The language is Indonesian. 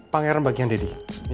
pangeran bagian didi